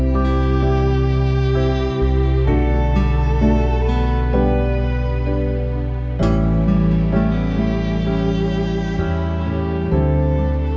gak yakin sih sebenarnya tapi pingin